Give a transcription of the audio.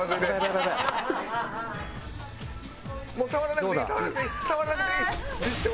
触らなくていい！